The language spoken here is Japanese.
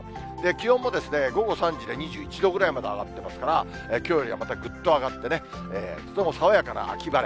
気温も午後３時で２１度ぐらいまで上がってますから、きょうよりまたぐっと上がってね、とても爽やかな秋晴れ。